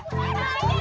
cepet bang cepet